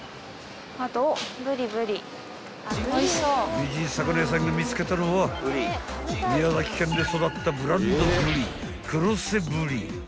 ［美人魚屋さんが見つけたのは宮崎県で育ったブランドぶり］